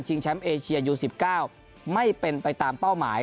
ชิงแชมป์เอเชียยูสิบเก้าไม่เป็นไปตามเป้าหมาย